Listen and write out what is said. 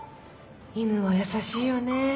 犬は優しいよね。